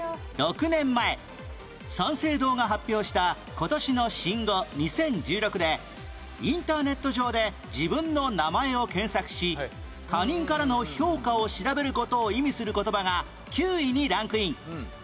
６年前三省堂が発表した今年の新語２０１６でインターネット上で自分の名前を検索し他人からの評価を調べる事を意味する言葉が９位にランクイン